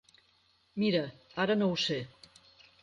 Mira, ara no ho sé.